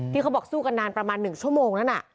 เขาบอกสู้กันนานประมาณ๑ชั่วโมงนั้น